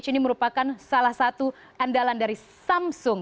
ini merupakan salah satu andalan dari samsung